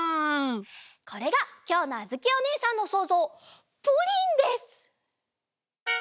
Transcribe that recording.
これがきょうのあづきおねえさんのそうぞうプリンです！